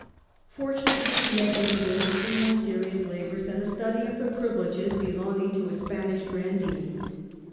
Fortunately he had been engaged in more serious labours than a study of the privileges be longing to a Spanish grandee.